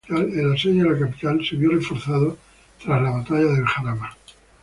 El asedio de la capital se vio reforzado tras la Batalla del Jarama.